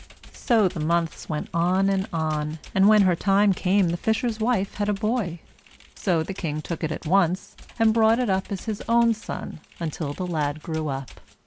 So the months went on and on, and when her time came the fisher's wife had a boy; so the king took it at once, and brought it up as his own son, until the lad grew up.